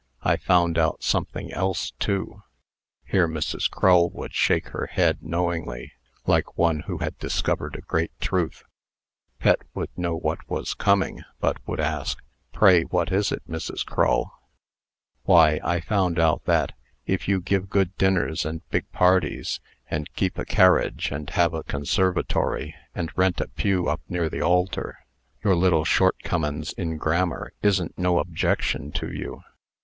I found out something else, too." Here Mrs. Crull would shake her head knowingly, like one who had discovered a great truth. Pet would know what was coming, but would ask: "Pray, what is it, Mrs. Crull?" "Why, I found out that, if you give good dinners and big parties, and keep a carriage, and have a conservatory, and rent a pew up near the altar, your little shortcomin's in grammar isn't no objection to you.